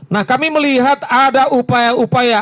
nah kami melihat ada upaya upaya